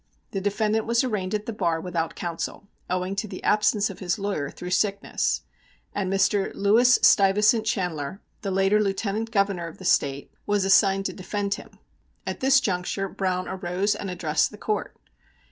The defendant was arraigned at the bar without counsel, owing to the absence of his lawyer through sickness, and Mr. Lewis Stuyvesant Chanler, the later Lieutenant Governor of the State, was assigned to defend him. At this juncture Browne arose and addressed the Court.